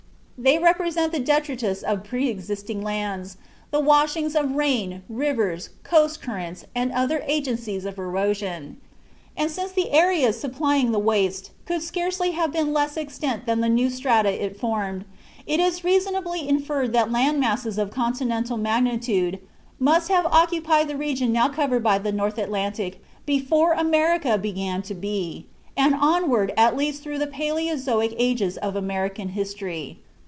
"They represent the detritus of pre existing lands, the washings of rain, rivers, coast currents, and other agencies of erosion; and since the areas supplying the waste could scarcely have been of less extent than the new strata it formed, it is reasonably inferred that land masses of continental magnitude must have occupied the region now covered by the North Atlantic before America began to be, and onward at least through the palæozoic ages of American history.